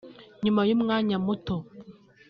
"Nyuma y’umwanya muto